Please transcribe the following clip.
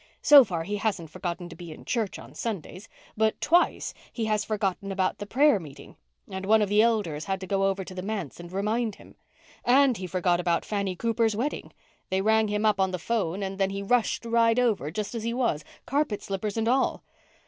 So far he hasn't forgotten to be in church on Sundays, but twice he has forgotten about the prayer meeting and one of the elders had to go over to the manse and remind him. And he forgot about Fanny Cooper's wedding. They rang him up on the 'phone and then he rushed right over, just as he was, carpet slippers and all.